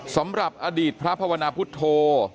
สำหรับอดีตพระภาวนาพุทธโธ